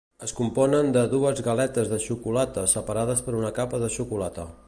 Es componen de dues galetes de xocolata separades per una capa de xocolata.